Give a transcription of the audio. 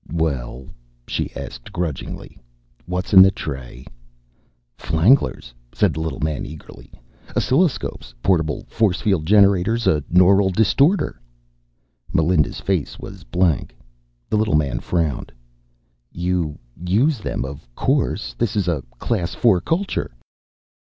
"Well?" she asked grudgingly. "What's in the tray?" "Flanglers," said the little man eagerly. "Oscilloscopes. Portable force field generators. A neural distorter." Melinda's face was blank. The little man frowned. "You use them, of course? This is a Class IV culture?"